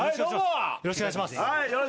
よろしくお願いします。